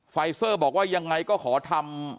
ไฟเซอร์บอกว่ายังไงก็ขอทำ